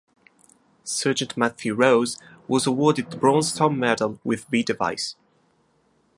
Sergeant Matthew Rose was awarded the Bronze Star Medal with "V" Device.